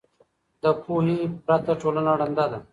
د پوهې پرته ټولنه ړنده ده.